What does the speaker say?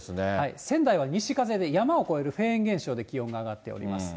仙台は西風で山を越えるフェーン現象で気温が上がっております。